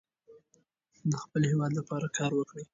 د خپل هیواد لپاره کار وکړو.